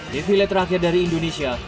di village terakhir dari indonesia